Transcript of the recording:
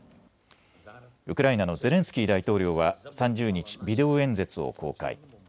ウクライナのゼレンスキー大統領は３０日、ビデオ演説を公開。